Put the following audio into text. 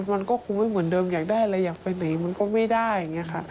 มันก็คงไม่เหมือนเดิมอยากได้อะไรอยากไปไหนมันก็ไม่ได้